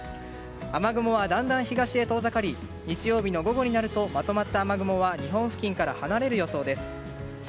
雨雲はだんだん東へ遠ざかり日曜日の午後になるとまとまった雨雲は日本付近から離れる予想です。